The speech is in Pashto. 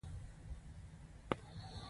ګڼ نور عوامل هم شته.